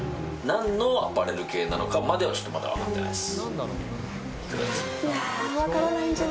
何のアパレル系なのかまではまだ分かってないです。